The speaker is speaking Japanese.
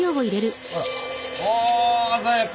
あ鮮やか！